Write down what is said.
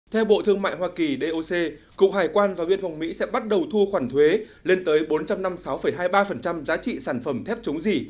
theo bộ thương mại hoa kỳ doc cục hải quan và viên phòng mỹ sẽ bắt đầu thu khoản thuế lên tới bốn trăm năm mươi sáu hai mươi ba giá trị sản phẩm thép chống dỉ